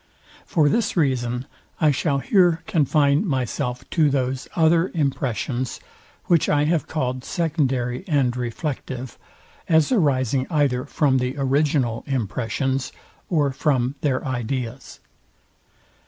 For this reason I shall here confine myself to those other impressions, which I have called secondary and reflective, as arising either from the original impressions, or from their ideas.